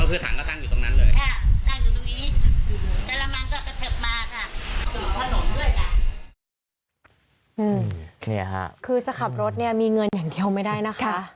นี่ค่ะคือจะขับรถเนี่ยมีเงินอย่างเดียวไม่ได้นะคะ